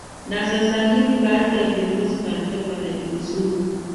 na sasa hivi baadhi ya viongozi mbalimbali wanajiuzulu